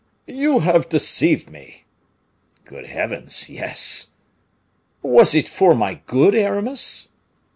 "You have deceived me!" "Good Heavens! yes." "Was it for my good, Aramis?"